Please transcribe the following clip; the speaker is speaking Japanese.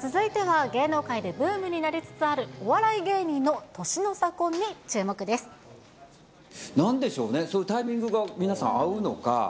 続いては、芸能界でブームになりつつある、なんでしょうね、そういうタイミングが皆さん、合うのか。